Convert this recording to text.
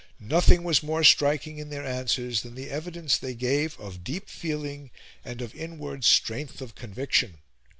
Nothing was more striking in their answers than the evidence they gave of deep feeling and of inward strength of conviction.